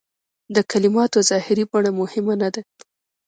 د کلماتو ظاهري بڼه مهمه نه ده.